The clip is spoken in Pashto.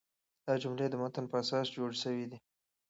دا جملې د متن پر اساس جوړي سوي دي.